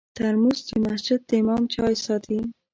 ترموز د مسجد د امام چای ساتي.